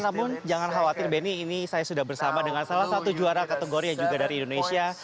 namun jangan khawatir benny ini saya sudah bersama dengan salah satu juara kategori yang juga dari indonesia